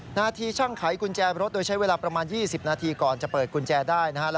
หน้าที่ช่างไขกุญแจรถโดยใช้เวลาประมาณ๒๐นาทีก่อนจะเปิดกุญแจได้นะฮะ